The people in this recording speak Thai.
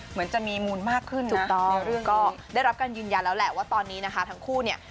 เหมือนจะมีมูลมากขึ้นถูกต้องในเรื่องก็ได้รับการยืนยันแล้วแหละว่าตอนนี้นะคะทั้งคู่เนี่ย